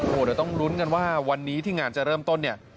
เดี๋ยวต้องลุ้นกันว่าวันนี้ที่งานจะเริ่มต้นเนี่ย